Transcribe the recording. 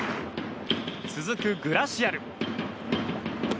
続くグラシアル。